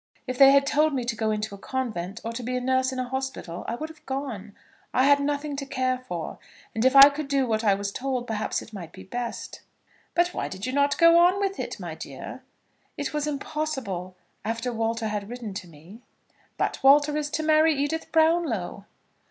If they had told me to go into a convent or to be a nurse in a hospital I would have gone. I had nothing to care for, and if I could do what I was told perhaps it might be best." "But why did you not go on with it, my dear?" "It was impossible after Walter had written to me." "But Walter is to marry Edith Brownlow."